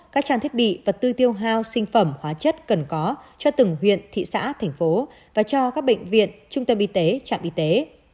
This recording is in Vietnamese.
các trang thiết bị vật tư tiêu hao sinh phẩm hóa chất cần có cho từng huyện thị xã thành phố và cho các bệnh viện trung tâm y tế trạm y tế